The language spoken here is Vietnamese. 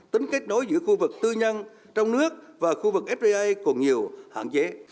tính kết đối giữa khu vực tư nhân trong nước và khu vực fdi còn nhiều hạn chế